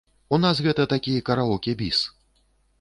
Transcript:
У нас гэта такі караоке-біс.